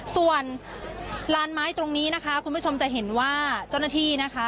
ส่วนลานไม้ตรงนี้นะคะคุณผู้ชมจะเห็นว่าเจ้าหน้าที่นะคะ